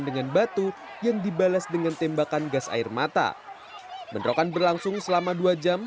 dengan batu yang dibalas dengan tembakan gas air mata bentrokan berlangsung selama dua jam